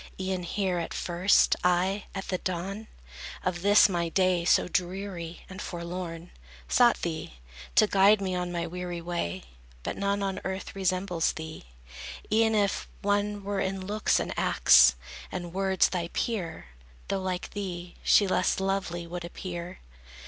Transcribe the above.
E'en here, at first, I, at the dawn Of this, my day, so dreary and forlorn, Sought thee, to guide me on my weary way: But none on earth resembles thee. E'en if One were in looks and acts and words thy peer, Though like thee, she less lovely would appear.